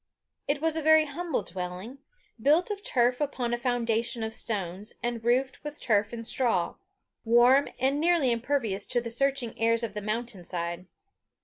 It was a very humble dwelling, built of turf upon a foundation of stones, and roofed with turf and straw warm, and nearly impervious to the searching airs of the mountain side.